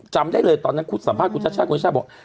จำได้เลยตอนนั้นครูสัมภาษณ์ครูชัดครูนมีชาบบอก